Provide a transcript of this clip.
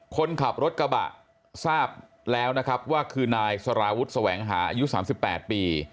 คนขับรถกระบะทราบแล้วนะครับว่าคือนายสารวุฒิแสวงหาอายุ๓๘ปี